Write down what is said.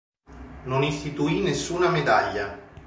Non istituì nessuna medaglia.